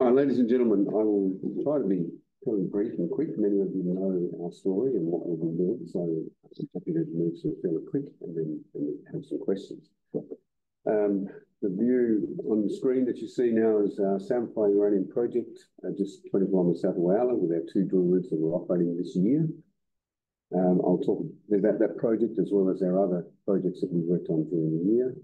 Ladies and gentlemen, I will try to be kind of brief and quick. Many of you know our story and what we do, so I'll just take it and move sort of fairly quick, and then have some questions. The view on the screen that you see now is our Samphire Uranium Project, just 24 miles south of Whyalla, with our two drill rigs that we're operating this year. I'll talk about that project as well as our other projects that we've worked on during the year.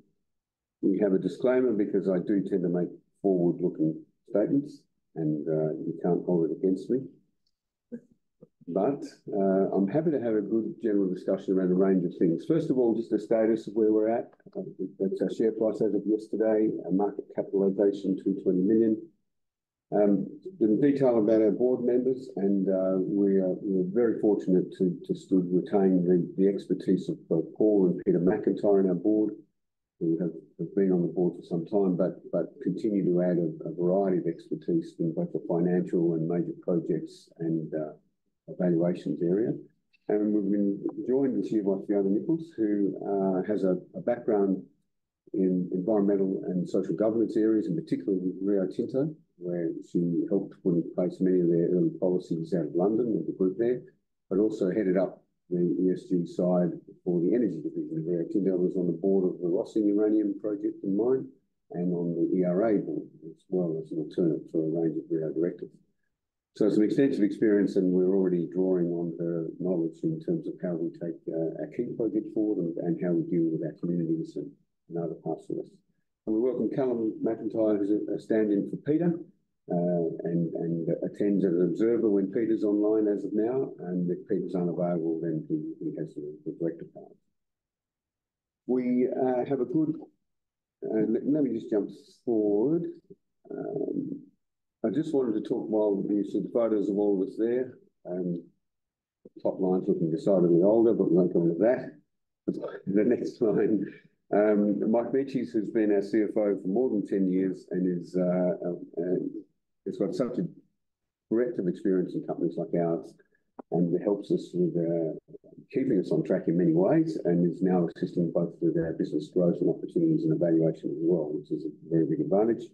We have a disclaimer because I do tend to make forward-looking statements, and you can't hold it against me. But, I'm happy to have a good general discussion around a range of things. First of all, just a status of where we're at. That's our share price as of yesterday, our market capitalization, 220 million. The detail about our board members, and we are, we're very fortunate to still retain the expertise of both Paul and Peter McIntyre on our board, who have been on the board for some time, but continue to add a variety of expertise in both the financial and major projects and evaluations area. And we've been joined this year by Fiona Nicholls, who has a background in environmental and social governance areas, in particular with Rio Tinto, where she helped put in place many of their early policies out of London, with the group there. But also headed up the ESG side for the energy division of Rio Tinto, and was on the board of the Rössing Uranium Project and Mine, and on the ERA board, as well as an alternate to a range of Rio directors. So some extensive experience, and we're already drawing on her knowledge in terms of how we take our key project forward and how we deal with our communities in other parts of this. And we welcome Callum McIntyre, who's a stand-in for Peter, and attends as an observer when Peter's online, as of now, and if Peter's unavailable, then he has the director part. We have a good. Let me just jump forward. I just wanted to talk while you see the photos of all of us there, and the top line's looking decidedly older, but we won't go into that. The next slide. Mike Meintjes, who's been our CFO for more than ten years and is, he's got such a breadth of experience in companies like ours, and helps us with keeping us on track in many ways, and is now assisting both with our business growth and opportunities and evaluation as well, which is a very big advantage.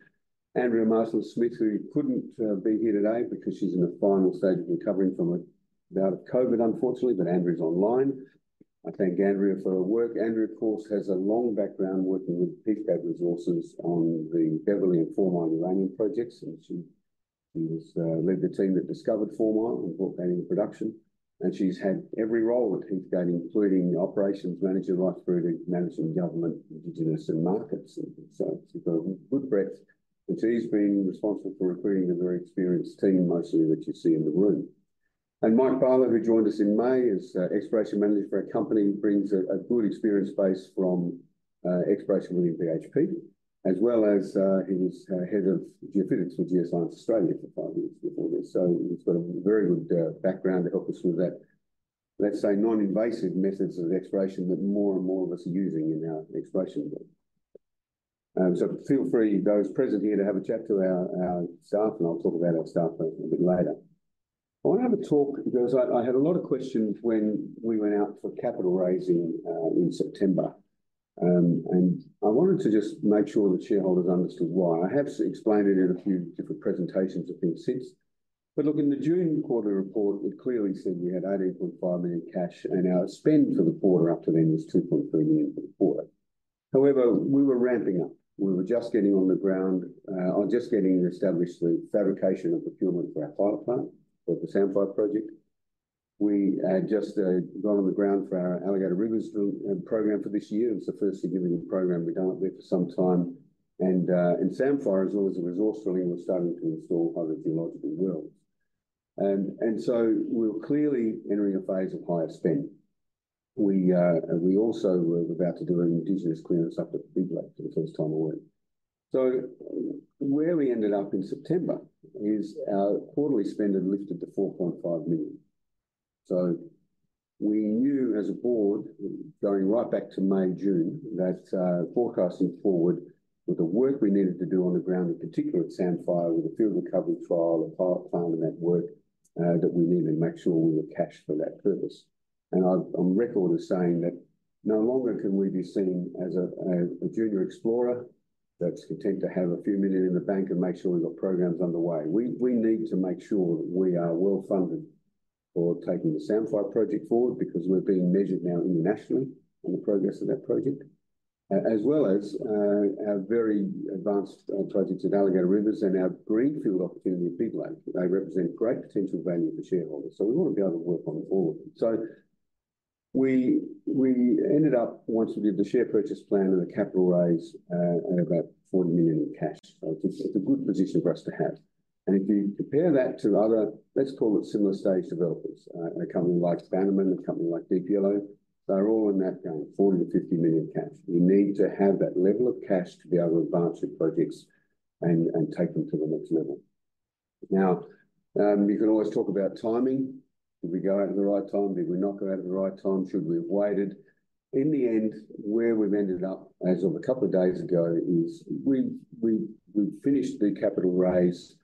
Andrea Marsland-Smith, who couldn't be here today because she's in the final stage of recovering from a bout of COVID, unfortunately, but Andrea's online. I thank Andrea for her work. Andrea, of course, has a long background working with Heathgate Resources on the Beverly and Four Mile uranium projects, and she led the team that discovered Four Mile and brought that into production. She's had every role at Heathgate, including operations manager, right through to management, government, indigenous and markets. So she's got a good breadth, and she's been responsible for recruiting a very experienced team, mostly that you see in the room. Mike Barlow, who joined us in May as exploration manager for our company, brings a good experience base from exploration with BHP, as well as he was head of geophysics for Geoscience Australia for five years before this. So he's got a very good background to help us with that, let's say, non-invasive methods of exploration that more and more of us are using in our exploration work. So feel free, those present here, to have a chat to our, our staff, and I'll talk about our staff a, a bit later. I want to have a talk, because I, I had a lot of questions when we went out for capital raising in September. And I wanted to just make sure the shareholders understood why. I have explained it in a few different presentations and things since, but look, in the June quarter report, it clearly said we had 81.5 million in cash, and our spend for the quarter up to then was 2.3 million for the quarter. However, we were ramping up. We were just getting on the ground, or just getting to establish the fabrication and procurement for our pilot plant for the Samphire project. We had just gone on the ground for our Alligator Rivers program for this year. It's the first significant program we've done up there for some time. And in Samphire, as well as the resource infill, we're starting to install other geological wells. And so we were clearly entering a phase of higher spend. And we also were about to do an Indigenous clearance up at Big Lake for the first time ever. So where we ended up in September is our quarterly spending lifted to 4.5 million. So we knew as a board, going right back to May, June, that, forecasting forward with the work we needed to do on the ground, in particular at Samphire, with the field recovery trial, the pilot plant and that work, that we needed to make sure we were cashed for that purpose. And I'm on record as saying that no longer can we be seen as a junior explorer that's content to have a few million AUD in the bank and make sure we've got programs underway. We need to make sure that we are well-funded for taking the Samphire project forward, because we're being measured now internationally on the progress of that project, as well as our very advanced projects at Alligator Rivers and our greenfield opportunity at Big Lake. They represent great potential value for shareholders, so we want to be able to work on all of them. So we, we ended up, once we did the share purchase plan and the capital raise, at about 40 million in cash. So it's a, it's a good position for us to have. And if you compare that to other, let's call it similar-stage developers, a company like Bannerman, a company like Deep Yellow, they're all in that game, 40-50 million cash. You need to have that level of cash to be able to advance your projects and, and take them to the next level. Now, you can always talk about timing. Did we go out at the right time? Did we not go out at the right time? Should we have waited? In the end, where we've ended up, as of a couple of days ago, is we've finished the capital raise.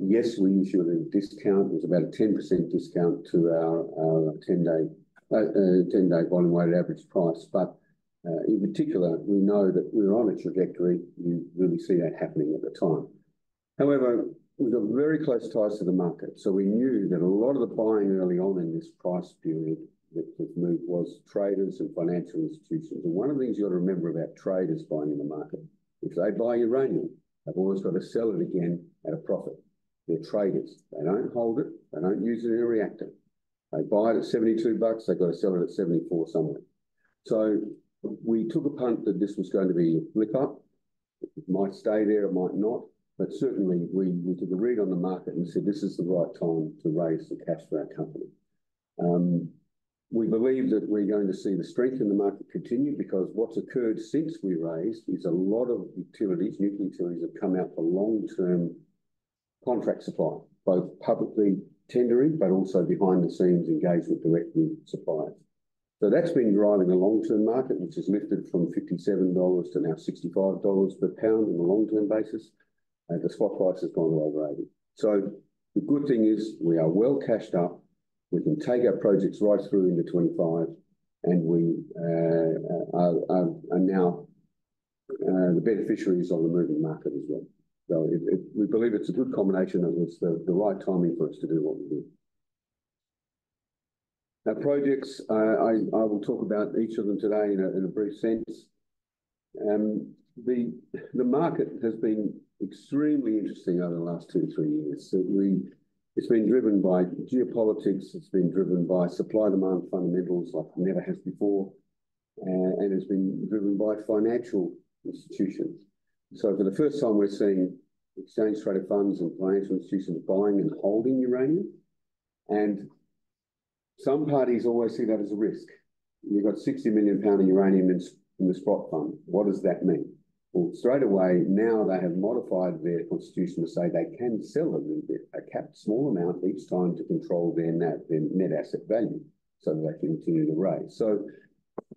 Yes, we issued a discount. It was about a 10% discount to our 10-day volume-weighted average price, but in particular, we know that we're on a trajectory, you really see that happening at the time. However, we've got very close ties to the market, so we knew that a lot of the buying early on in this price period, that this move was traders and financial institutions. And one of the things you ought to remember about traders buying in the market, if they buy uranium, they've always got to sell it again at a profit. They're traders. They don't hold it, they don't use it in a reactor. They buy it at $72, they've got to sell it at $74 somewhere. So we took a punt that this was going to be a flick up. It might stay there, it might not, but certainly, we, we took a read on the market and said, "This is the right time to raise some cash for our company." We believe that we're going to see the strength in the market continue, because what's occurred since we raised is a lot of utilities, nuclear utilities have come out for long-term contract supply, both publicly tendering, but also behind the scenes, engaged with direct new suppliers. So that's been driving a long-term market, which has lifted from $57 to now $65 per pound on a long-term basis, and the spot price has gone well over $80. So the good thing is we are well cashed up. We can take our projects right through into 2025, and we are now the beneficiaries on the moving market as well. So we believe it's a good combination, and it's the right timing for us to do what we do. The projects, I will talk about each of them today in a brief sense. The market has been extremely interesting over the last two-three years. Certainly, it's been driven by geopolitics, it's been driven by supply-demand fundamentals like it never has before, and it's been driven by financial institutions. So for the first time, we're seeing exchange-traded funds and financial institutions buying and holding uranium, and some parties always see that as a risk. You've got 60 million pounds of uranium in Sprott's spot fund. What does that mean? Well, straight away, now they have modified their constitution to say they can sell a little bit, a capped small amount each time to control their net, their net asset value, so that they can continue to raise. So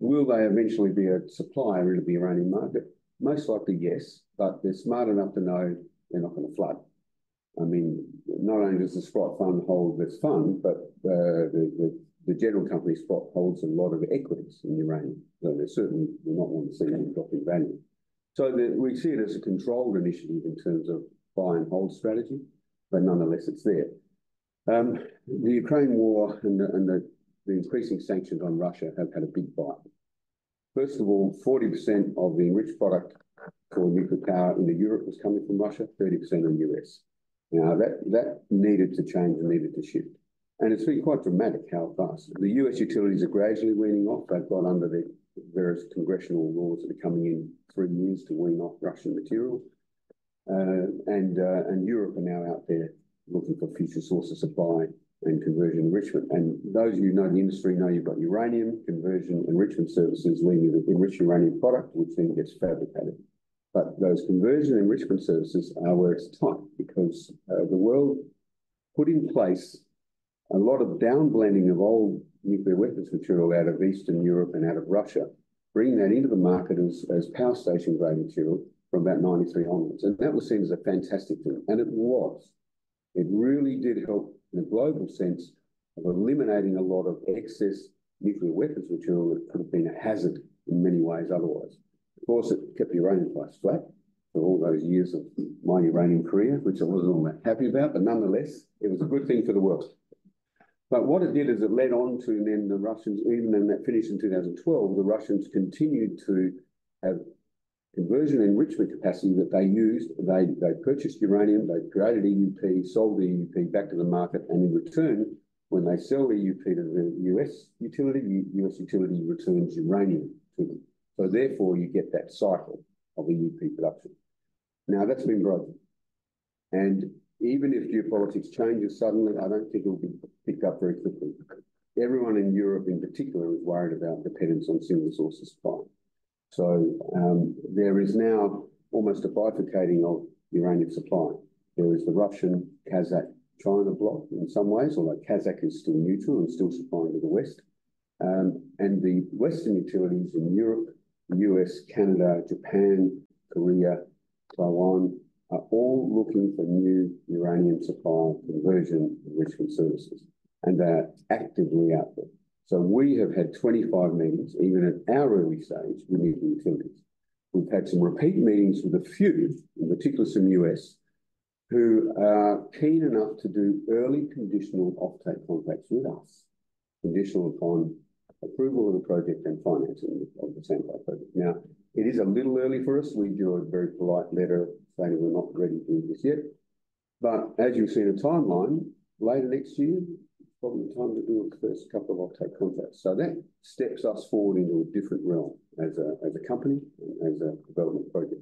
will they eventually be a supplier to the uranium market? Most likely, yes, but they're smart enough to know they're not going to flood. I mean, not only does the spot fund hold this fund, but the general company spot holds a lot of equities in uranium, so they certainly do not want to see any drop in value. So, we see it as a controlled initiative in terms of buy and hold strategy, but nonetheless, it's there. The Ukraine war and the increasing sanctions on Russia have had a big bite. First of all, 40% of the enriched product for nuclear power in Europe was coming from Russia, 30% from U.S. Now, that, that needed to change and needed to shift, and it's been quite dramatic how fast. The U.S. utilities are gradually weaning off. They've got under the various congressional laws that are coming in 3 years to wean off Russian material. Europe are now out there looking for future sources of supply and conversion enrichment. And those of you who know the industry know you've got uranium conversion enrichment services, leaving the enriched uranium product, which then gets fabricated. But those conversion enrichment services are where it's tight, because the world put in place a lot of downblending of old nuclear weapons material out of Eastern Europe and out of Russia, bringing that into the market as, as power station grade material from about 1993 onwards, and that was seen as a fantastic thing, and it was. It really did help in the global sense of eliminating a lot of excess nuclear weapons material that could have been a hazard in many ways otherwise. Of course, it kept uranium price flat for all those years of my uranium career, which I wasn't all that happy about, but nonetheless, it was a good thing for the world. But what it did is it led on to then the Russians, even when that finished in 2012, the Russians continued to have conversion enrichment capacity that they used. They purchased uranium, they graded EUP, sold the EUP back to the market, and in return, when they sell EUP to the U.S. utility, U.S. utility returns uranium to them. So therefore, you get that cycle of EUP production. Now, that's been broken, and even if geopolitics changes suddenly, I don't think it will be picked up very quickly. Everyone in Europe, in particular, is worried about dependence on single source of supply. So, there is now almost a bifurcating of uranium supply. There is the Russian-Kazakh-China block in some ways, although Kazakh is still neutral and still supplying to the West. And the Western utilities in Europe, U.S., Canada, Japan, Korea, Taiwan, are all looking for new uranium supply, conversion, enrichment services, and they are actively out there. So we have had 25 meetings, even at our early stage, with nuclear utilities. We've had some repeat meetings with a few, in particular some U.S., who are keen enough to do early conditional offtake contracts with us, conditional upon approval of the project and financing of the Samphire project. Now, it is a little early for us. We drew a very polite letter saying we're not ready to do this yet, but as you've seen the timeline, later next year, probably time to do a first couple of offtake contracts. So that steps us forward into a different realm as a company and as a development project.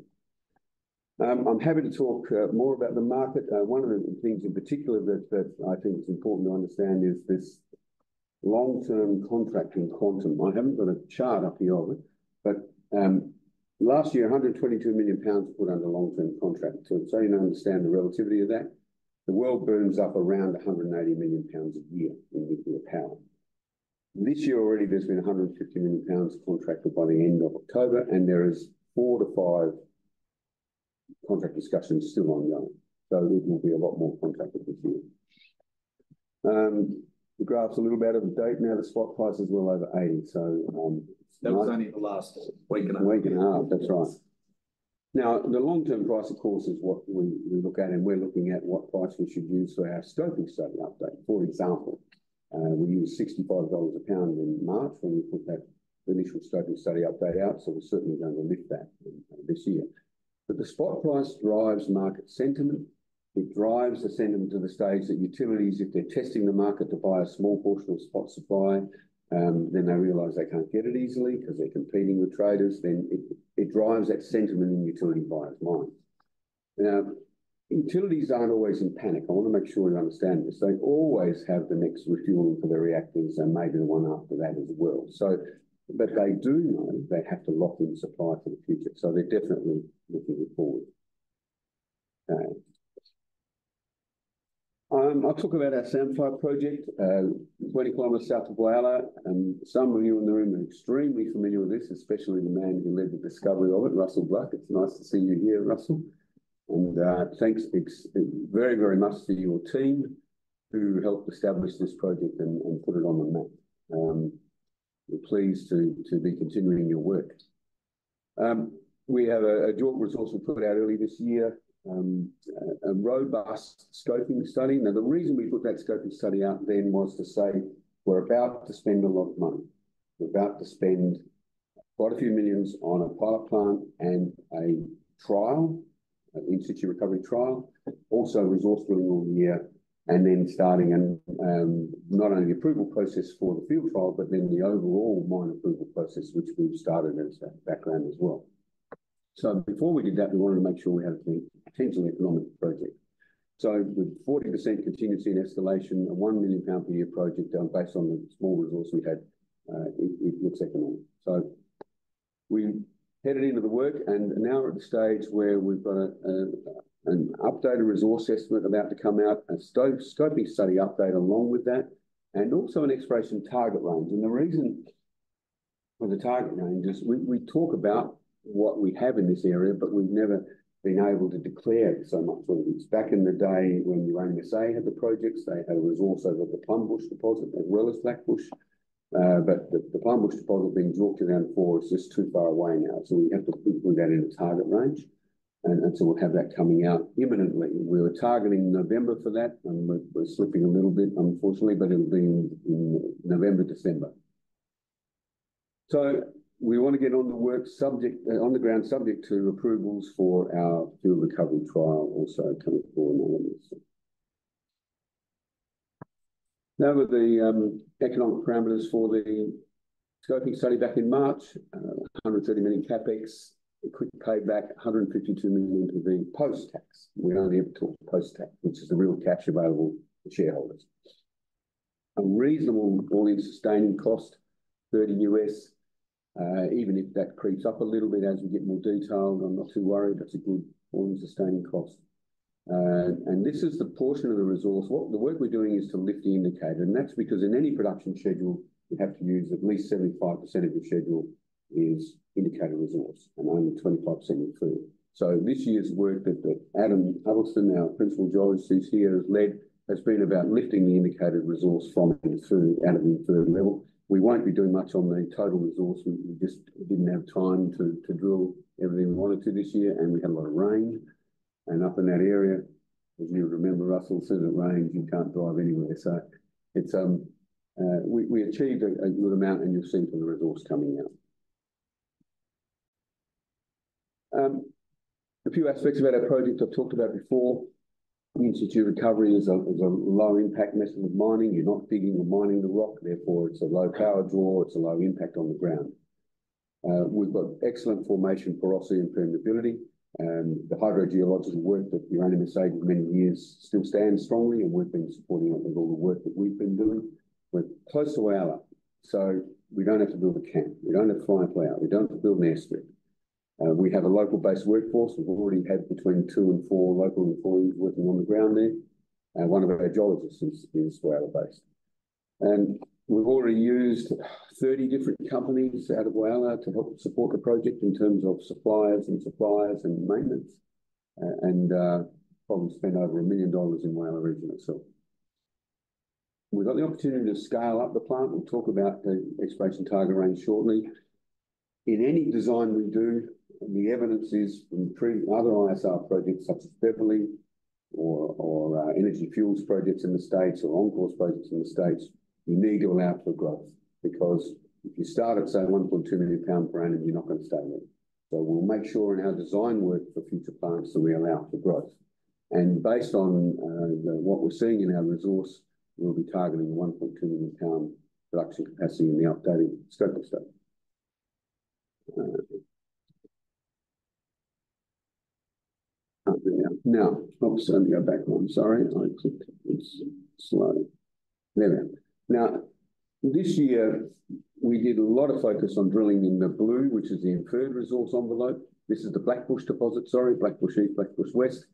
I'm happy to talk more about the market. One of the things in particular that I think is important to understand is this long-term contract and quantum. I haven't got a chart up here of it, but last year, 122 million pounds were under long-term contract. So you now understand the relativity of that? The world burns up around 180 million pounds a year in nuclear power. This year already, there's been 150 million pounds contracted by the end of October, and there is four-five contract discussions still ongoing, so there will be a lot more contracts this year. The graph's a little out of date now, the spot price is well over $80, so- That was only in the last week and a half. Week and a half, that's right. Now, the long-term price, of course, is what we, we look at, and we're looking at what price we should use for our scoping study update. For example, we used $65 a pound in March when we put that initial scoping study update out, so we're certainly going to lift that this year. But the spot price drives market sentiment. It drives the sentiment to the stage that utilities, if they're testing the market to buy a small portion of spot supply, then they realize they can't get it easily 'cause they're competing with traders, then it, it drives that sentiment in utility buyers' minds. Now, utilities aren't always in panic. I want to make sure we understand this. They always have the next refueling for their reactors, and maybe one after that as well. So, but they do know they have to lock in supply for the future, so they're definitely looking forward. I'll talk about our Samphire project, 20 kilometers south of Whyalla, and some of you in the room are extremely familiar with this, especially the man who led the discovery of it, Russell Black. It's nice to see you here, Russell, and, thanks very, very much to your team who helped establish this project and, and put it on the map. We're pleased to be continuing your work. We have a JORC resource we put out early this year, a robust scoping study. Now, the reason we put that scoping study out then was to say, "We're about to spend a lot of money. We're about to spend quite a few million on a pilot plant and a trial, an in situ recovery trial," also resource drilling all year, and then starting an, not only the approval process for the field trial, but then the overall mine approval process, which we've started in the background as well. So before we did that, we wanted to make sure we had a potentially economic project. So with 40% contingency and escalation, a 1 million pound per year project, based on the small resource we had, it looks economic. So we headed into the work, and now we're at the stage where we've got an updated resource estimate about to come out, a scoping study update along with that, and also an exploration target range. The reason for the target range is we, we talk about what we have in this area, but we've never been able to declare it, so much so. Back in the day, when Uranium SA had the projects, they had a resource over the Plumbush deposit as well as Blackbush. But the, the Plumbush deposit being talked around for it's just too far away now. So we have to put that in a target range, and, and so we'll have that coming out imminently. We were targeting November for that, and we're, we're slipping a little bit, unfortunately, but it'll be in, in November, December. So we want to get on the work subject, on the ground, subject to approvals for our field recovery trial, also coming forward. Now, with the economic parameters for the scoping study back in March, 130 million CapEx, it could pay back 152 million including post-tax. We're only able to talk post-tax, which is the real cash available for shareholders. A reasonable all-in sustaining cost, $30, even if that creeps up a little bit as we get more detailed, I'm not too worried, that's a good all-in sustaining cost. And this is the portion of the resource. The work we're doing is to lift the indicated, and that's because in any production schedule, you have to use at least 75% of your schedule is indicated resource, and only 25% inferred. So this year's work that Adam Addison, our Principal Geologist here, has led, has been about lifting the indicated resource from inferred out of the inferred level. We won't be doing much on the total resource. We just didn't have time to drill everything we wanted to this year, and we had a lot of rain. Up in that area, as you remember, Russell said, if it rains, you can't drive anywhere. So it's we achieved a good amount, and you'll see from the results coming out. A few aspects about our project I've talked about before. In Situ Recovery is a low-impact method of mining. You're not digging or mining the rock, therefore, it's a low power draw, it's a low impact on the ground. We've got excellent formation, porosity, and permeability, and the hydrogeological work that Uranium SA has saved many years still stands strongly, and we've been supporting it with all the work that we've been doing. We're close to Whyalla, so we don't have to build a camp. We don't have to fly to Whyalla. We don't have to build an airstrip. We have a local-based workforce. We've already had between two and four local employees working on the ground there, and one of our geologists is Whyalla-based. And we've already used 30 different companies out of Whyalla to help support the project in terms of suppliers and suppliers and maintenance, and probably spent over 1 million dollars in Whyalla region itself. We've got the opportunity to scale up the plant. We'll talk about the exploration target range shortly. In any design we do, the evidence is from previous other ISR projects, such as Beverly or, or, Energy Fuels projects in the States, or EnCore projects in the States, you need to allow for growth, because if you start at, say, 1.2 million pound per annum, you're not going to stay there. So we'll make sure in our design work for future plants that we allow for growth. And based on, the, what we're seeing in our resource, we'll be targeting 1.2 million pound production capacity in the updated Scoping Study. Now, oops, let me go back one. Sorry, I clicked this slide. There we are. Now, this year, we did a lot of focus on drilling in the blue, which is the Inferred Resource envelope. This is the Blackbush deposit, sorry, Blackbush East, Blackbush West-...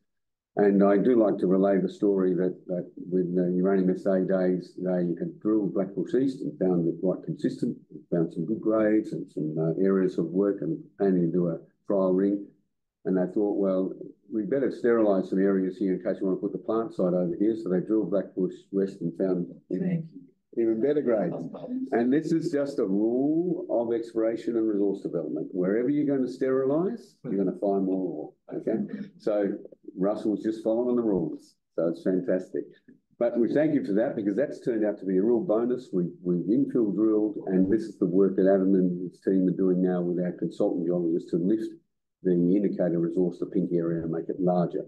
I do like to relay the story that, that with the Uranium SA days, they had drilled Blackbush East and found it quite consistent, and found some good grades, and some areas of work, and planning to do a trial rig. And they thought, "Well, we better sterilize some areas here in case you want to put the plant site over here." So they drilled Blackbush West and found- -Even- even better grades. And this is just a rule of exploration and resource development. Wherever you're going to sterilize, you're going to find more ore, okay? So Russell was just following the rules, so it's fantastic. But we thank you for that, because that's turned out to be a real bonus. We've infill drilled, and this is the work that Adam and his team are doing now with our consultant geologists, to lift the indicated resource, the pinky area, and make it larger.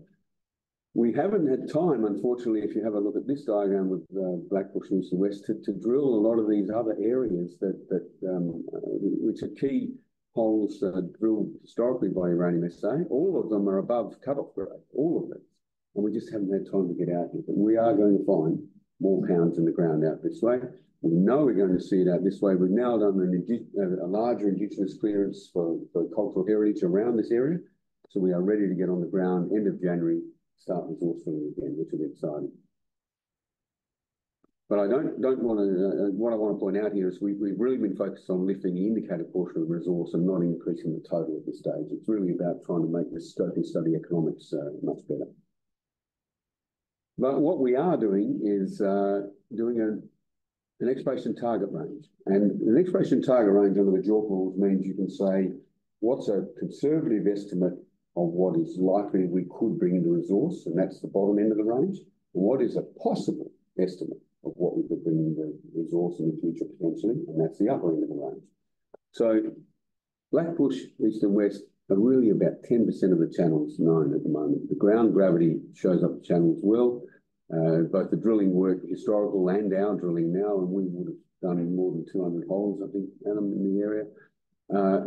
We haven't had time, unfortunately, if you have a look at this diagram with Blackbush East and West, to drill a lot of these other areas that which are key holes that are drilled historically by Uranium SA. All of them are above cut-off grade, all of it, and we just haven't had time to get out here. But we are going to find more pounds in the ground out this way. We know we're going to see that this way. We've now done a larger indigenous clearance for cultural heritage around this area. So we are ready to get on the ground end of January, start resourceful again, which will be exciting. But I don't wanna... What I want to point out here is we've really been focused on lifting the indicated portion of resource and not increasing the total at this stage. It's really about trying to make this scoping study economics much better. But what we are doing is doing an exploration target range, and an exploration target range under the JORC rules means you can say: what's a conservative estimate of what is likely we could bring into resource? And that's the bottom end of the range. What is a possible estimate of what we could bring into resource in the future, potentially? And that's the upper end of the range. So Blackbush, East and West, are really about 10% of the channels known at the moment. The ground gravity shows up the channels well, both the drilling work, historical and our drilling now, and we would have done in more than 200 holes, I think, Adam, in the area.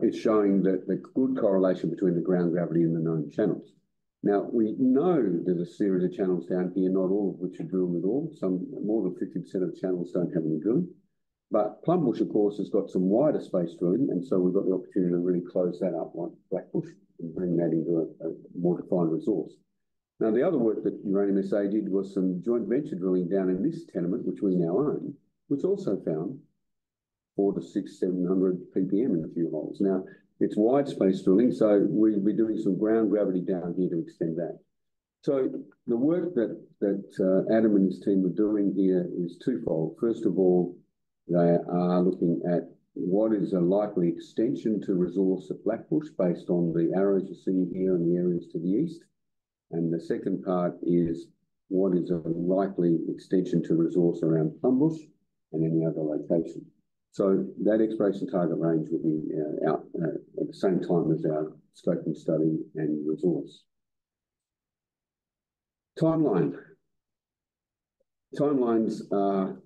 It's showing that the good correlation between the ground gravity and the known channels. Now, we know there's a series of channels down here, not all of which are drilled at all. Some, more than 50% of the channels don't have any drill. But Plumbush, of course, has got some wider-spaced drilling, and so we've got the opportunity to really close that up like Blackbush, and bring that into a more defined resource. Now, the other work that Uranium SA did was some joint venture drilling down in this tenement, which we now own, which also found 400-600, 700 PPM in a few holes. Now, it's wide-spaced drilling, so we'll be doing some ground gravity down here to extend that. So the work that Adam and his team are doing here is twofold. First of all, they are looking at what is a likely extension to resource at Blackbush, based on the arrows you see here and the areas to the east. And the second part is, what is a likely extension to resource around Plumbush and any other location. So that exploration target range will be out at the same time as our scoping study and resource. Timeline. Timelines are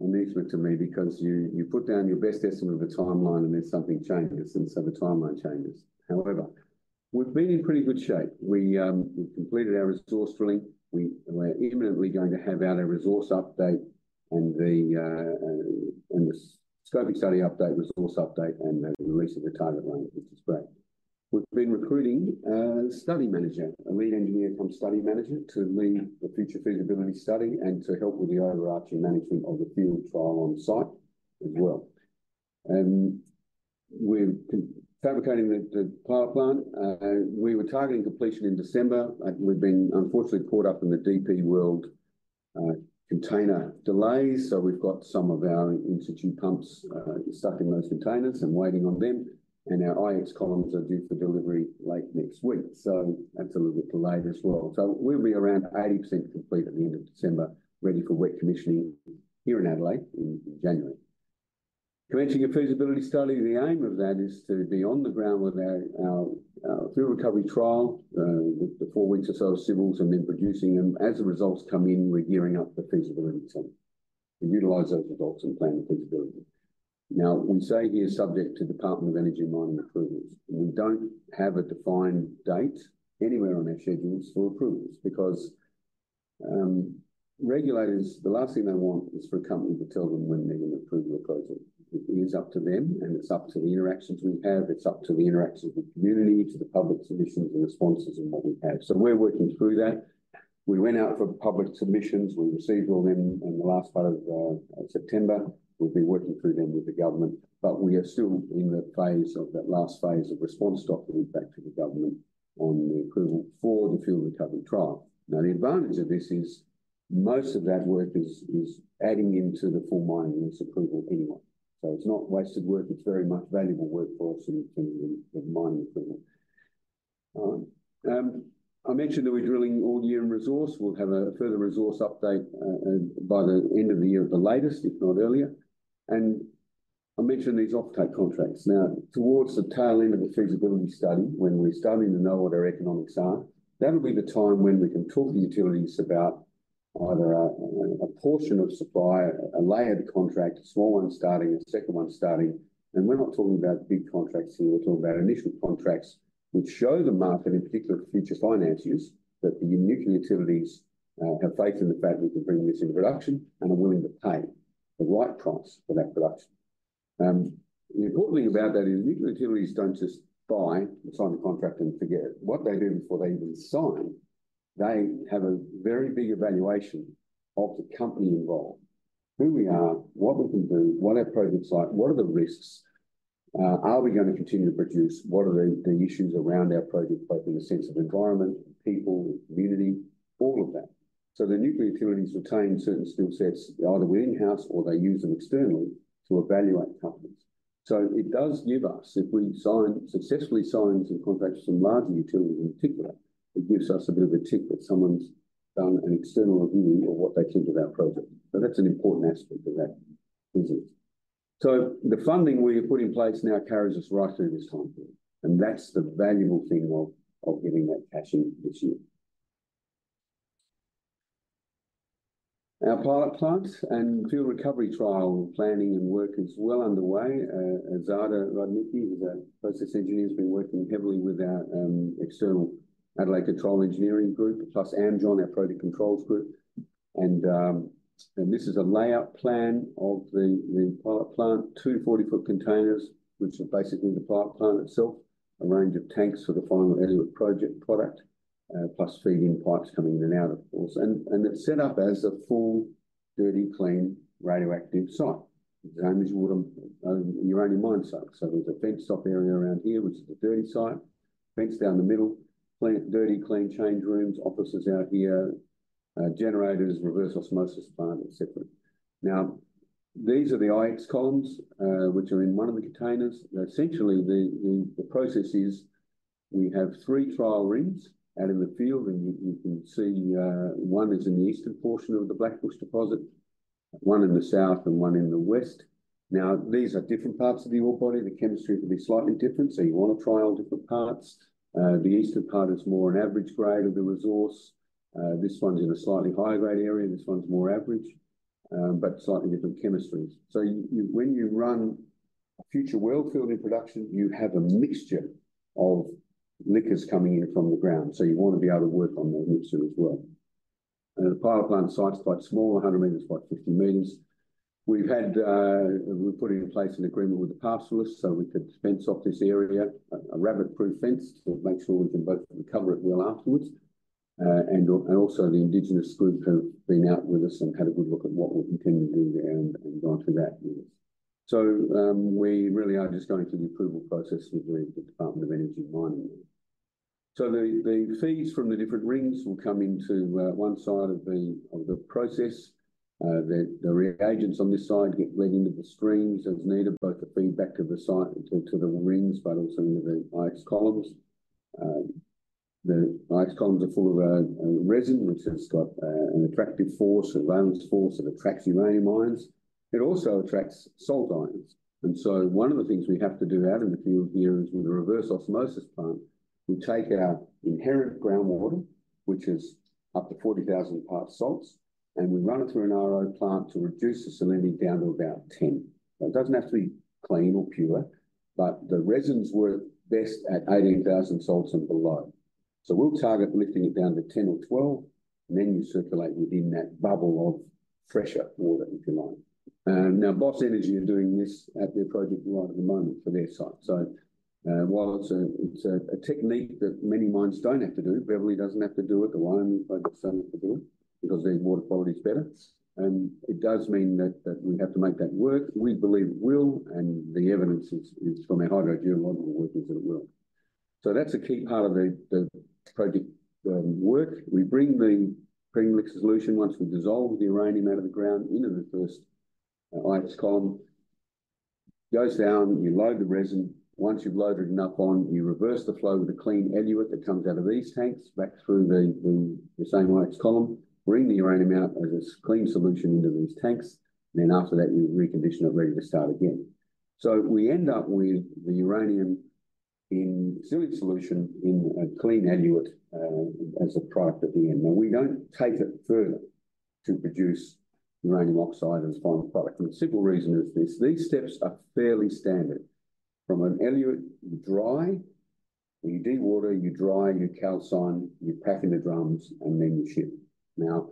amusement to me, because you put down your best estimate of a timeline, and then something changes, and so the timeline changes. However, we've been in pretty good shape. We've completed our resource drilling. We're imminently going to have out a resource update and the scoping study update, resource update, and the release of the target range, which is great. We've been recruiting a study manager, a lead engineer from study manager, to lead the future feasibility study and to help with the overarching management of the field trial on-site as well. And we're fabricating the pilot plant, we were targeting completion in December. We've been unfortunately caught up in the DP World container delays, so we've got some of our in-situ pumps stuck in those containers and waiting on them, and our IX columns are due for delivery late next week, so that's a little bit delayed as well. So we'll be around 80% complete at the end of December, ready for wet commissioning here in Adelaide, in January. Commencing a feasibility study, the aim of that is to be on the ground with our field recovery trial, with the four weeks or so of civils and then producing them. As the results come in, we're gearing up the feasibility study to utilize those results and plan the feasibility. Now, we say here, subject to Department of Energy and Mining approvals. We don't have a defined date anywhere on our schedules for approvals, because regulators, the last thing they want is for a company to tell them when they're going to approve or close it. It is up to them, and it's up to the interactions we have. It's up to the interactions with the community, to the public submissions and the responses and what we have. So we're working through that. We went out for public submissions. We received all them in the last part of September. We've been working through them with the government, but we are still in that last phase of response, documenting back to the government on the approval for the field recovery trial. Now, the advantage of this is most of that work is adding into the full mining lease approval anyway. It's not wasted work, it's very much valuable work for us in obtaining the mining approval. I mentioned that we're drilling all year in resource. We'll have a further resource update by the end of the year at the latest, if not earlier. I mentioned these offtake contracts. Now, towards the tail end of the feasibility study, when we're starting to know what our economics are, that'll be the time when we can talk to utilities about either a portion of supply, a layered contract, a small one starting, a second one starting. We're not talking about big contracts here, we're talking about initial contracts, which show the market, in particular future financiers, that the nuclear utilities have faith in the fact we can bring this in production and are willing to pay the right price for that production... The important thing about that is nuclear utilities don't just buy and sign the contract and forget. What they do before they even sign, they have a very big evaluation of the company involved. Who we are, what we can do, what our project's like, what are the risks? Are we gonna continue to produce? What are the issues around our project, both in the sense of environment, people, community, all of that. So the nuclear utilities retain certain skill sets, either within house or they use them externally to evaluate companies. So it does give us, if we sign, successfully sign some contracts with some large utilities in particular, it gives us a bit of a tick that someone's done an external review of what they think of our project. So that's an important aspect of that business. So the funding we have put in place now carries us right through this time period, and that's the valuable thing of getting that cash in this year. Our pilot plant and fuel recovery trial planning and work is well underway. Zlatko Rudnicki, who's a process engineer, has been working heavily with our external Adelaide Control Engineering group, plus Amjohn, our project controls group. And this is a layout plan of the pilot plant, two 40-foot containers, which are basically the pilot plant itself. A range of tanks for the final effluent project product, plus feeding pipes coming in and out, of course. And it's set up as a full dirty, clean, radioactive site, the same as you would in your own mine site. So there's a fenced off area around here, which is the dirty site, fence down the middle, clean-dirty, clean change rooms, offices out here, generators, reverse osmosis plant, et cetera. Now, these are the IX columns, which are in one of the containers. Essentially, the process is we have three trial rings out in the field, and you can see, one is in the eastern portion of the Blackbush deposit, one in the south and one in the west. Now, these are different parts of the ore body. The chemistry will be slightly different, so you want to try on different parts. The eastern part is more an average grade of the resource. This one's in a slightly higher grade area, and this one's more average, but slightly different chemistries. So you, when you run a future well field in production, you have a mixture of liquors coming in from the ground, so you want to be able to work on that mixture as well. And the pilot plant site's quite small, 100 meters by 50 meters. We've put in place an agreement with the pastoralist so we could fence off this area, a rabbit-proof fence to make sure we can both recover it well afterwards. And also, the indigenous group have been out with us and had a good look at what we intend to do there and gone to that with us. So we really are just going through the approval process with the Department of Energy and Mining. So the feeds from the different rings will come into one side of the process. The reagents on this side get led into the streams as needed, both the feedback to the site and to the rings, but also into the IX columns. The IX columns are full of resin, which has got an attractive force, a valence force that attracts uranium ions. It also attracts salt ions. So one of the things we have to do out in the field here is, with the reverse osmosis plant, we take our inherent groundwater, which is up to 40,000 parts salts, and we run it through an RO plant to reduce the salinity down to about 10. It doesn't have to be clean or pure, but the resins work best at 18,000 salts and below. So we'll target lifting it down to 10 or 12, and then you circulate within that bubble of fresher water, if you like. Now, Boss Energy are doing this at their project right at the moment for their site. So, while it's a technique that many mines don't have to do, Beverly doesn't have to do it, the Wyomings don't have to do it, because their water quality is better. And it does mean that we have to make that work. We believe it will, and the evidence is from our hydrogeological workings that it will. So that's a key part of the project work. We bring the pre-mixed solution once we dissolve the uranium out of the ground into the first IX column. It goes down, you load the resin. Once you've loaded enough on, you reverse the flow of the clean effluent that comes out of these tanks back through the same IX column, bring the uranium out as a clean solution into these tanks. Then after that, you recondition it, ready to start again. So we end up with the uranium in solute solution, in a clean effluent, as a product at the end. Now, we don't take it further to produce uranium oxide as the final product, and the simple reason is this: these steps are fairly standard. From an effluent, you dry, you dewater, you dry, you calcine, you pack in the drums, and then you ship. Now,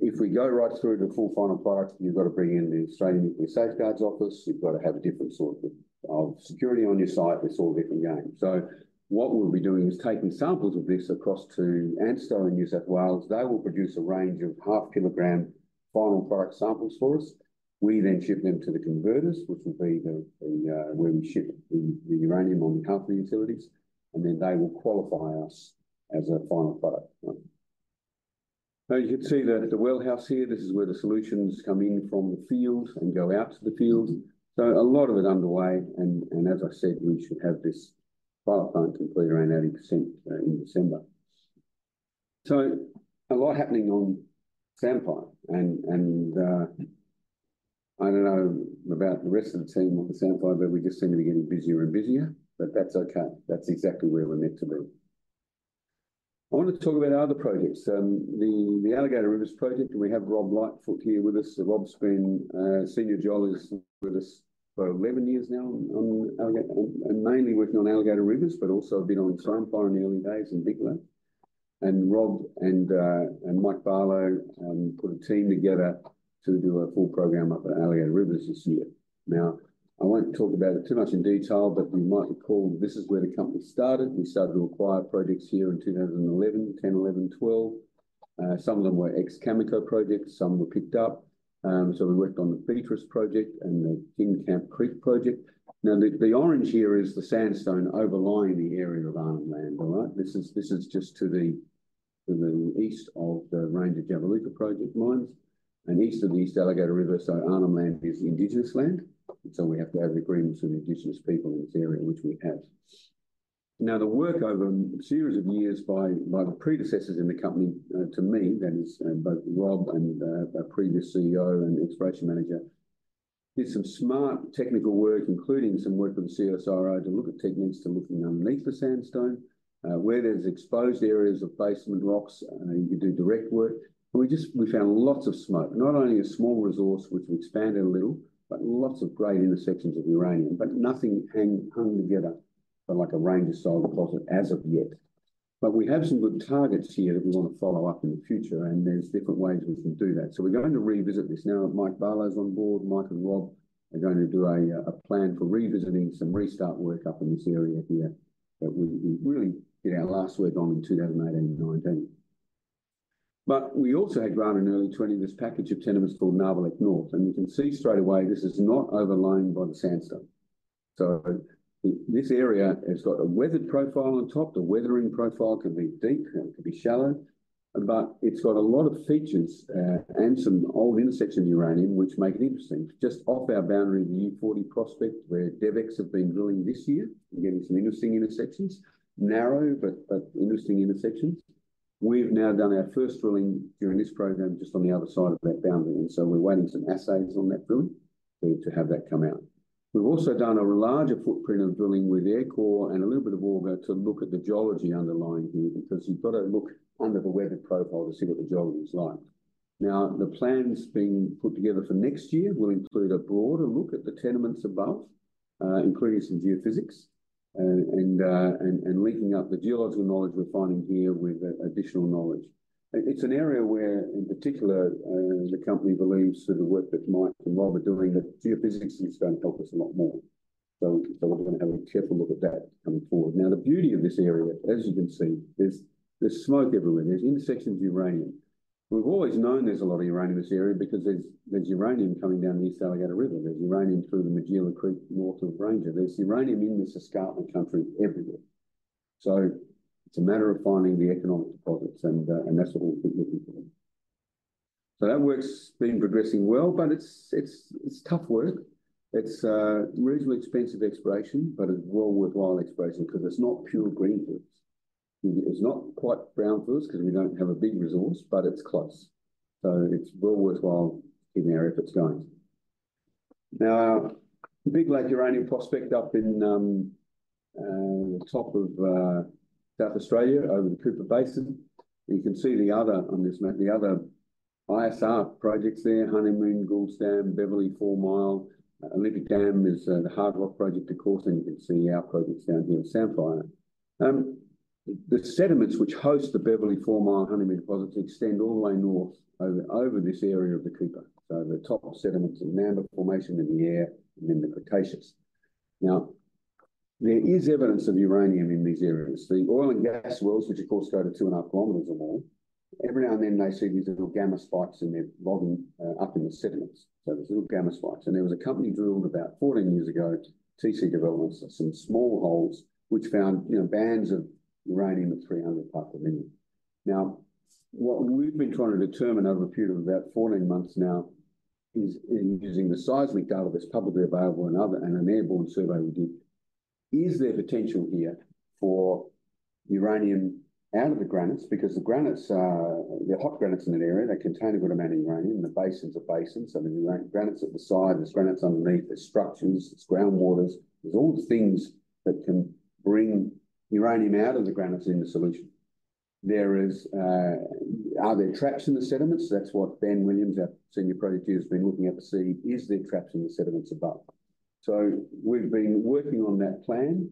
if we go right through to the full final product, you've got to bring in the Australian Nuclear Safeguards Office, you've got to have a different sort of security on your site. It's all different game. So what we'll be doing is taking samples of this across to ANSTO in New South Wales. They will produce a range of 0.5-kilogram final product samples for us. We then ship them to the converters, which will be the where we ship the uranium on behalf of the utilities, and then they will qualify us as a final product. Now, you can see the well house here. This is where the solutions come in from the field and go out to the field. So a lot of it underway, and as I said, we should have this pilot plant complete around 80%, in December. So a lot happening on Samphire, and I don't know about the rest of the team on the Samphire, but we just seem to be getting busier and busier, but that's okay. That's exactly where we're meant to be. I wanted to talk about our other projects. The Alligator Rivers project, we have Rob Lightfoot here with us. So Rob's been senior geologist with us for 11 years now on Alligator mainly working on Alligator Rivers, but also been on Samphire in the early days and Big Lake. And Rob and Mike Barlow put a team together to do a full program up at Alligator Rivers this year. Now, I won't talk about it too much in detail, but you might recall this is where the company started. We started to acquire projects here in 2010, 2011, 2012. Some of them were ex-Cameco projects, some were picked up. So we worked on the Beatrice project and the Tin Camp Creek project. Now, the orange here is the sandstone overlying the area of Arnhem Land, all right? This is just to the east of the Ranger Jabiluka project mines, and east of the East Alligator River. So Arnhem Land is Indigenous land, so we have to have agreements with Indigenous people in this area, which we have. Now, the work over a series of years by the predecessors in the company, to me, that is both Rob and a previous CEO and exploration manager, did some smart technical work, including some work with CSIRO, to look at techniques to looking underneath the sandstone. Where there's exposed areas of basement rocks, you can do direct work. But we just- we found lots of smoke, not only a small resource, which we expanded a little, but lots of great intersections of uranium, but nothing hang, hung together, but like a Ranger-style deposit as of yet. But we have some good targets here that we want to follow up in the future, and there's different ways we can do that. So we're going to revisit this. Now, Mike Barlow's on board. Mike and Rob are going to do a plan for revisiting some restart work up in this area here, that we really did our last work on in 2018 and 2019. But we also acquired in early 2020, this package of tenements called Nabarlek North, and you can see straight away this is not overlain by the sandstone. So, this area has got a weathered profile on top. The weathering profile can be deep, it can be shallow, but it's got a lot of features, and some old intersections of uranium, which make it interesting. Just off our boundary, the U40 Prospect, where DevEx have been drilling this year and getting some interesting intersections. Narrow, but, but interesting intersections. We've now done our first drilling during this program, just on the other side of that boundary, and so we're waiting some assays on that drilling, to have that come out. We've also done a larger footprint of drilling with air core and a little bit of auger to look at the geology underlying here, because you've got to look under the weathered profile to see what the geology is like. Now, the plans being put together for next year will include a broader look at the tenements above, including some geophysics, and linking up the geological knowledge we're finding here with additional knowledge. It's an area where, in particular, the company believes that the work that Mike and Rob are doing, that geophysics is gonna help us a lot more. So, we're gonna have a careful look at that coming forward. Now, the beauty of this area, as you can see, there's smoke everywhere, there's intersections of uranium. We've always known there's a lot of uranium in this area because there's uranium coming down the East Alligator River. There's uranium through the Magilla Creek, north of Ranger. There's uranium in the Saskatchewan country everywhere. So it's a matter of finding the economic deposits, and, and that's what we'll be looking for. So that work's been progressing well, but it's tough work. It's reasonably expensive exploration, but it's well worthwhile exploration, 'cause it's not pure greenfields. It's not quite brownfields, 'cause we don't have a big resource, but it's close. So it's well worthwhile in there if it's going. Now, the Big Lake uranium prospect up in, top of, South Australia, over the Cooper Basin. You can see the other on this map, the other ISR projects there, Honeymoon, Goulds Dam, Beverley Four Mile, Olympic Dam is the hard rock project, of course, and you can see our projects down here in Samphire. The sediments which host the Beverley Four Mile Honeymoon deposits extend all the way north over this area of the Cooper. So the top sediments are member formation in the air, and then the Cretaceous. Now, there is evidence of uranium in these areas. The oil and gas wells, which of course go to 2.5 kilometers or more, every now and then, they see these little gamma spikes in their logging up in the sediments. So there's little gamma spikes. And there was a company drilled about 14 years ago, Tri-Star Energy or uncertain, some small holes, which found, you know, bands of uranium at 300 parts per million. Now, what we've been trying to determine over a period of about 14 months now is, using the seismic data that's publicly available and other and an airborne survey we did, is there potential here for uranium out of the granites? Because the granites are, they're hot granites in that area, they contain a good amount of uranium, the basins are basins, I mean, the Ranger granites at the side, there's granites underneath, there's structures, there's groundwaters, there's all the things that can bring uranium out of the granites in the solution. There is... Are there traps in the sediments? That's what Ben Williams, our senior project leader, has been looking at to see, is there traps in the sediments above? So we've been working on that plan.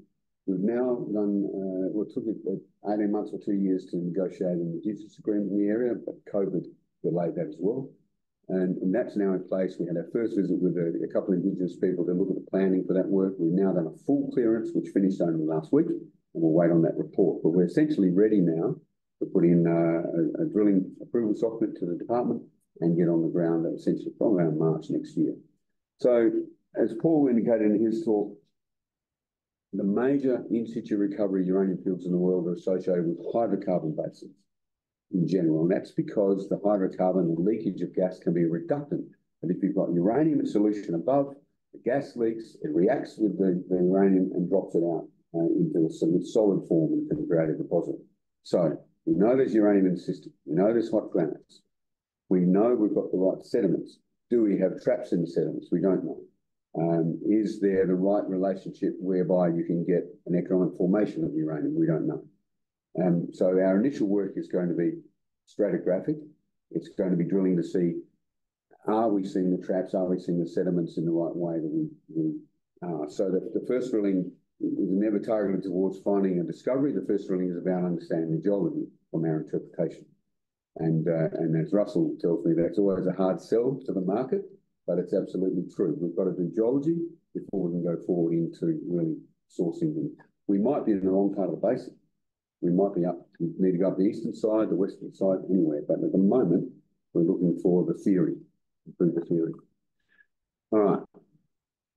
We've now done, well, it took us 18 months or two years to negotiate an indigenous agreement in the area, but COVID delayed that as well. And that's now in place. We had our first visit with a couple of indigenous people to look at the planning for that work. We've now done a full clearance, which finished only last week, and we'll wait on that report. But we're essentially ready now to put in a drilling approval supplement to the department and get on the ground essentially around March next year. So, as Paul indicated in his talk, the major in-situ recovery uranium fields in the world are associated with hydrocarbon basins in general, and that's because the hydrocarbon leakage of gas can be reductant. And if you've got uranium solution above, the gas leaks, it reacts with the uranium and drops it out into a solid form of integrated deposit. So we know there's uranium in the system, we know there's hot granites, we know we've got the right sediments. Do we have traps in the sediments? We don't know. Is there the right relationship whereby you can get an economic formation of uranium? We don't know. So our initial work is going to be stratigraphic, it's going to be drilling to see... Are we seeing the traps? Are we seeing the sediments in the right way that we, so the first drilling was never targeted towards finding a discovery. The first drilling is about understanding the geology from our interpretation. And as Russell tells me, that's always a hard sell to the market, but it's absolutely true. We've got to do geology before we can go forward into really sourcing them. We might be in the wrong part of the basin. We might be up - we need to go up the eastern side, the western side, anywhere, but at the moment, we're looking for the theory, improve the theory. All right.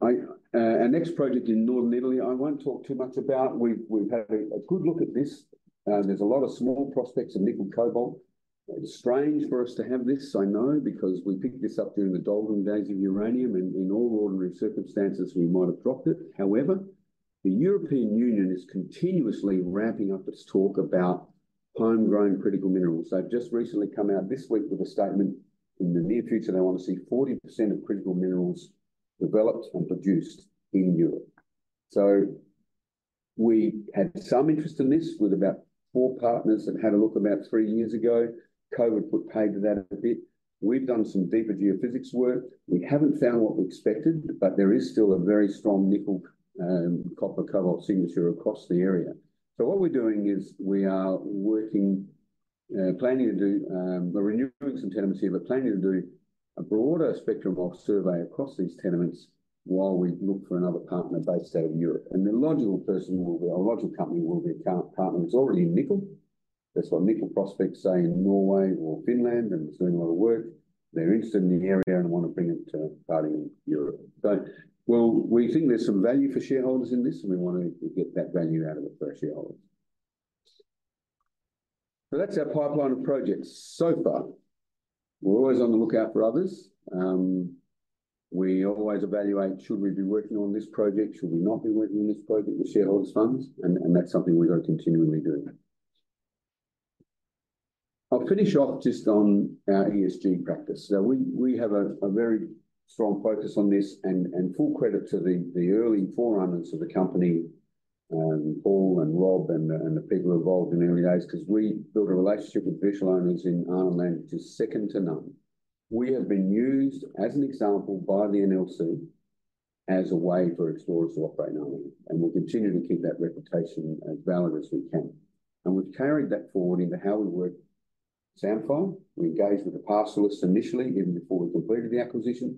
Our next project in northern Italy, I won't talk too much about. We've had a good look at this, and there's a lot of small prospects in nickel cobalt. It's strange for us to have this, I know, because we picked this up during the golden days of uranium, and in all ordinary circumstances, we might have dropped it. However, the European Union is continuously ramping up its talk about homegrown critical minerals. They've just recently come out this week with a statement. In the near future, they want to see 40% of critical minerals developed and produced in Europe. So we had some interest in this with about four partners that had a look about three years ago. COVID put paid to that a bit. We've done some deeper geophysics work. We haven't found what we expected, but there is still a very strong nickel, and copper cobalt signature across the area. So what we're doing is we are working, planning to do. We're renewing some tenements, but planning to do a broader spectrum of survey across these tenements while we look for another partner based out of Europe. And the logical person will be, our logical company will be a partner that's already in nickel. That's why nickel prospects say in Norway or Finland, and it's doing a lot of work. They're interested in the area and want to bring it to party in Europe. But, well, we think there's some value for shareholders in this, and we want to get that value out of it for our shareholders. So that's our pipeline of projects so far. We're always on the lookout for others. We always evaluate, should we be working on this project? Should we not be working on this project, the shareholders' funds? And that's something we are continually doing. I'll finish off just on our ESG practice. So we have a very strong focus on this, and full credit to the early forerunners of the company, Paul and Rob and the people involved in the early days, 'cause we built a relationship with traditional owners in Arnhem Land, which is second to none. We have been used as an example by the NLC as a way for explorers to operate in Arnhem Land, and we'll continue to keep that reputation as valid as we can. And we've carried that forward into how we work with Samphire. We engaged with the pastoralists initially, even before we completed the acquisition,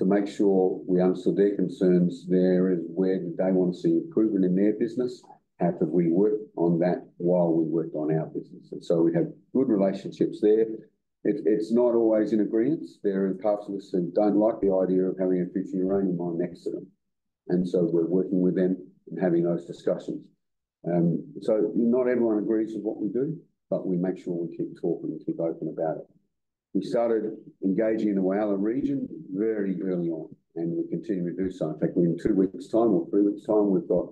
to make sure we answered their concerns. Where do they want to see improvement in their business? How could we work on that while we worked on our business? And so we have good relationships there. It's not always in agreement. There are pastoralists that don't like the idea of having a future uranium mine next to them, and so we're working with them and having those discussions. So not everyone agrees with what we do, but we make sure we keep talking and keep open about it. We started engaging in the Whyalla region very early on, and we continue to do so. In fact, within two weeks' time or three weeks' time, we've got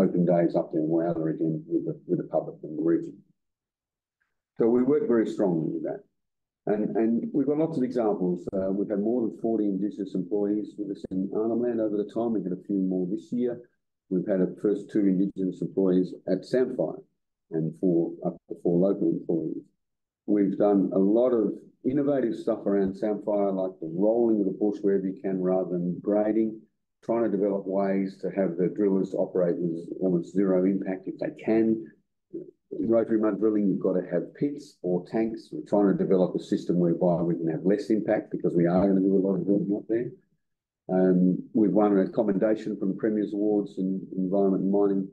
open days up in Whyalla again with the public and the region. So we work very strongly with that. And we've got lots of examples. We've had more than 40 Indigenous employees with us in Arnhem Land over the time. We've had a few more this year. We've had our first two Indigenous employees at Samphire and four local employees. We've done a lot of innovative stuff around Samphire, like the rolling of the bush wherever you can, rather than grading, trying to develop ways to have the drillers operate with almost zero impact, if they can. Rotary mud drilling, you've got to have pits or tanks. We're trying to develop a system whereby we can have less impact because we are going to do a lot of drilling up there. We've won a commendation from the Premier's Awards in Environment and Mining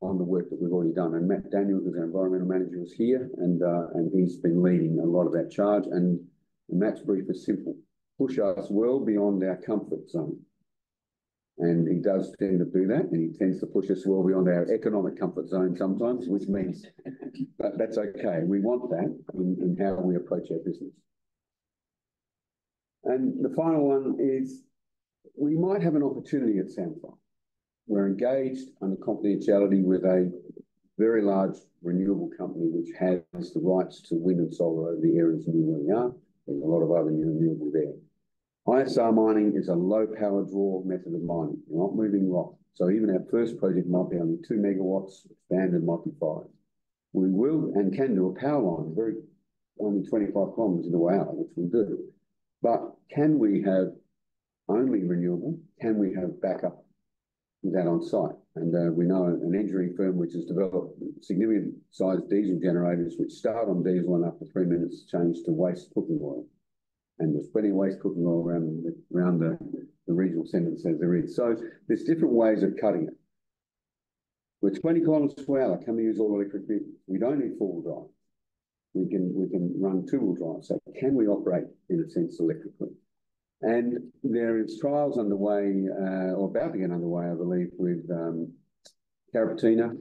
on the work that we've already done, and Matt Daniel, who's our environmental manager, is here, and he's been leading a lot of that charge. Matt's brief is simple: push us well beyond our comfort zone. He does tend to do that, and he tends to push us well beyond our economic comfort zone sometimes, which means, but that's okay. We want that in how we approach our business. The final one is, we might have an opportunity at Samphire. We're engaged under confidentiality with a very large renewable company which has the rights to wind and solar over the areas where we are. There's a lot of other renewable there. ISR mining is a low-power draw method of mining. You're not moving rock. So even our first project might be only two MW, expanded, might be 5 MW. We will and can do a power line, very only 25 km in the way out, which we'll do. But can we have only renewable? Can we have backup that on-site? And we know an engineering firm which has developed significant-sized diesel generators, which start on diesel and after three minutes, change to waste cooking oil. And there's plenty of waste cooking oil around the regional centers as there is. So there's different ways of cutting it. We're 20 km per hour. Can we use all electric vehicles? We don't need four-wheel drive. We can, we can run two-wheel drive. So can we operate, in a sense, electrically? And there is trials underway, or about to get underway, I believe, with Carrapateena,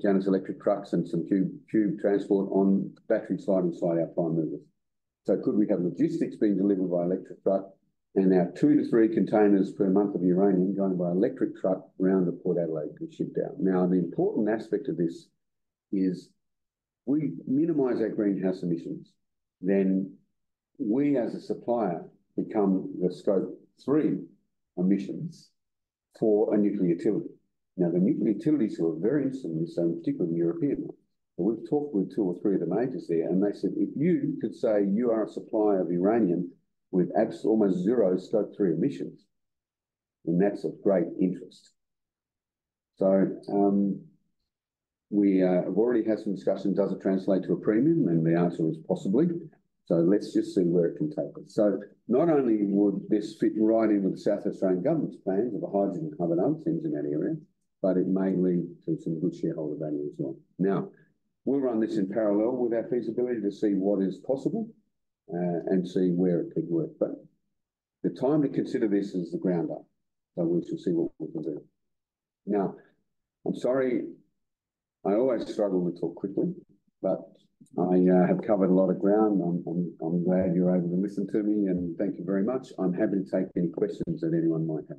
Janus Electric trucks, and some tube transport on battery swap inside our prime movers. So could we have logistics being delivered by electric truck, and have two-three containers per month of uranium going by electric truck around to Port Adelaide and shipped out? Now, the important aspect of this is we minimize our greenhouse emissions, then we, as a supplier, become the Scope Three Emissions for a nuclear utility. Now, the nuclear utilities are very interested in this, and particularly the European ones. We've talked with two or three of the majors there, and they said, "If you could say you are a supplier of uranium with almost zero scope three emissions," and that's of great interest. So, we have already had some discussion, does it translate to a premium? And the answer is possibly. So let's just see where it can take us. So not only would this fit right in with the South Australian government's plans of a hydrogen covenant, things in that area, but it may lead to some good shareholder value as well. Now, we'll run this in parallel with our feasibility to see what is possible, and see where it could work, but the time to consider this is the ground up, so we shall see what we can do. Now, I'm sorry, I always struggle to talk quickly, but I have covered a lot of ground. I'm glad you're able to listen to me, and thank you very much. I'm happy to take any questions that anyone might have.